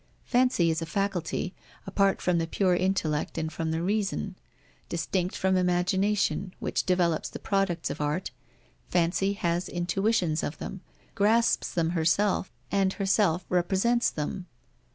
Fancy is a faculty, apart from the pure intellect and from the reason. Distinct from imagination, which develops the products of art, Fancy has intuitions of them, grasps them herself, and herself represents them.